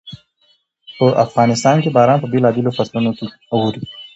په افغانستان کې باران په بېلابېلو فصلونو کې اوري.